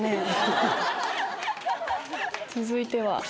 続いては。